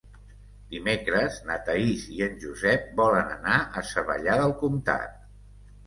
Dimecres na Thaís i en Josep volen anar a Savallà del Comtat.